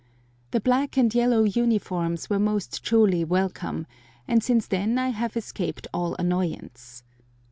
The black and yellow uniforms were most truly welcome, and since then I have escaped all annoyance.